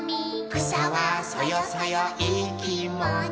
「くさはそよそよいいきもち」